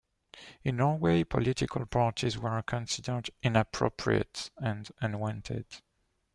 In Norway, political parties were considered inappropriate and unwanted.